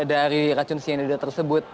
dari racun cyanida tersebut